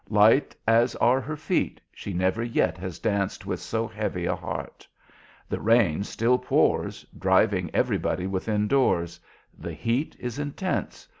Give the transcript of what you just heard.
Light as are her feet, she never yet has danced with so heavy a heart. The rain still pours, driving everybody within doors. The heat is intense.